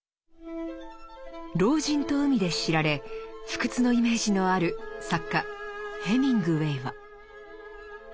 「老人と海」で知られ不屈のイメージのある作家ヘミングウェイは。